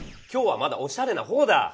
きょうはまだおしゃれなほうだ！